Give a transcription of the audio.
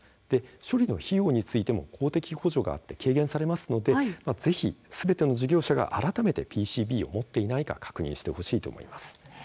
処理の費用についても公的補助が軽減されますのでぜひすべての事業者が改めてＰＣＢを持っていないか確認してほしいと思います。